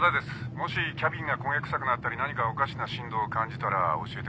もしキャビンが焦げ臭くなったり何かおかしな振動を感じたら教えてください。